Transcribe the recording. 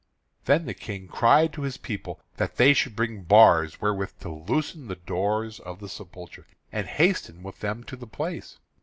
Then the King cried to his people that they should bring bars wherewith to loosen the doors of the sepulchre, and hastened with them to the place.